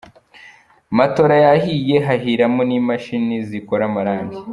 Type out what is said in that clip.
Matola zahiye, hahiramo n’ imashini zikora amarange.